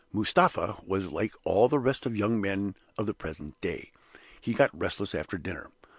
"Mustapha was like all the rest of you young men of the present day he got restless after dinner.